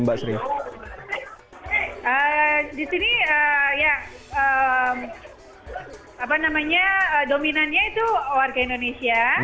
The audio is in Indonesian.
di sini dominannya warga indonesia